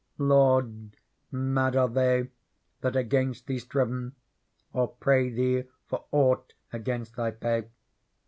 Lord,j[nad are they that against Thee striven. Or pray Thee for ought against Thy pay.